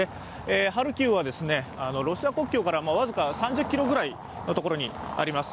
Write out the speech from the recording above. ハルキウはロシア国境から僅か３０ｋｍくらいの所にあります。